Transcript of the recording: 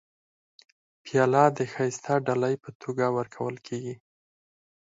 پیاله د ښایسته ډالۍ په توګه ورکول کېږي.